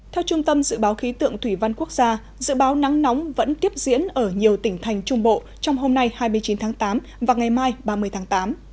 theo trung tâm dự báo khí tượng thủy văn quốc gia dự báo nắng nóng vẫn tiếp diễn ở nhiều tỉnh thành trung bộ trong hôm nay hai mươi chín tháng tám và ngày mai ba mươi tháng tám